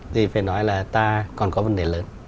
thì phải nói là ta còn có vấn đề lớn